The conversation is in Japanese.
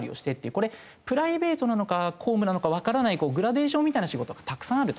これプライベートなのか公務なのかわからないグラデーションみたいな仕事がたくさんあると。